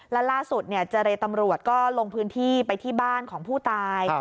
และล่าสุดเจรตำรวจก็ลงพื้นที่ไปที่บ้านของผู้ตาย